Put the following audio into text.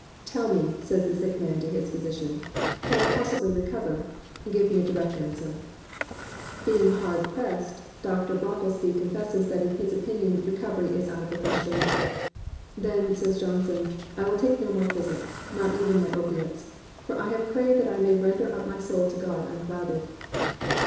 "Tell me," says the sick man to his physician, "can I possibly recover ? Give me a direct answer." Being hard pressed. Dr. Brocklesby confesses that in his opinion recovery is out of the question. "Then," says Johnson, "I will take no more physick, not even my opiates: for I have prayed that I may render up my soul to God unclouded."